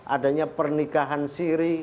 adanya pernikahan siri